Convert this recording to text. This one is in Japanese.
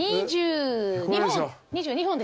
２２本？